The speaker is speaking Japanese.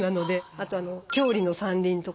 あとは郷里の山林とかね。